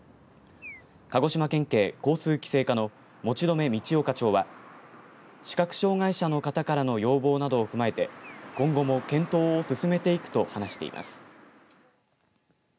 鹿児島県警交通規制課の持留道男課長は視覚障害者の方からの要望などを踏まえて今後も検討を進めていくと話しています。